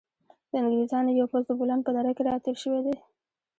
د انګریزانو یو پوځ د بولان په دره کې را تېر شوی دی.